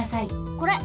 これ！